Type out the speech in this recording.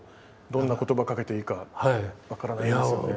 どんなことばかけていいか分からないですよね。